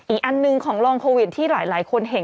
อีกอันหนึ่งของลองโควิดที่หลายคนเห็น